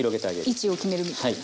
位置を決めるみたいな。